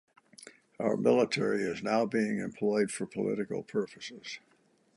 Our military is now being employed for political purposes.